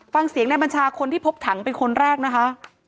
ฟังเสียงในบัญชาคนที่พบถังเป็นคนแรกนะคะ